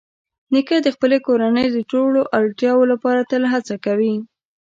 نیکه د خپلې کورنۍ د ټولو اړتیاوو لپاره تل هڅه کوي.